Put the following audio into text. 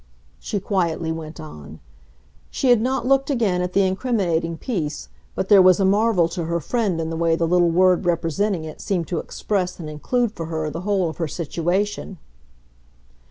she quietly went on. She had not looked again at the incriminating piece, but there was a marvel to her friend in the way the little word representing it seemed to express and include for her the whole of her situation.